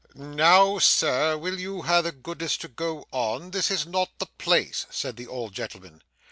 'Now, Sir, will you ha' the goodness to go on; this is not the place,' said the old gentleman.